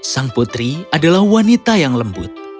sang putri adalah wanita yang lembut